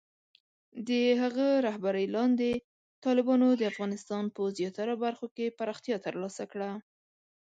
د هغه رهبرۍ لاندې، طالبانو د افغانستان په زیاتره برخو کې پراختیا ترلاسه کړه.